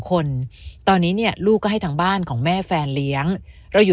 คนตอนนี้เนี่ยลูกก็ให้ทางบ้านของแม่แฟนเลี้ยงเราอยู่